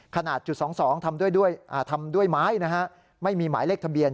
ขนาดจุด๒๒ทำด้วยไม้นะฮะไม่มีหมายเลขทะเบียน